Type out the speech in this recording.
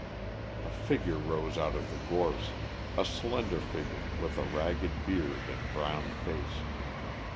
A figure rose out of the gorse, a slender figure with a ragged beard and brown face.